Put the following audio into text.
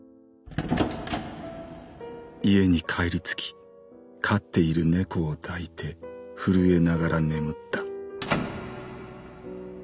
「家に帰り着き飼っている猫を抱いて震えながら眠った。